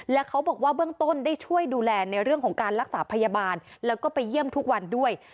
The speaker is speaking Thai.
และเขาบอกว่าเบื้องต้นได้ช่วยดูแลในเรื่องของการรักษาพยาบาลแล้วก็ไปเยี่ยมทุกวันด้วย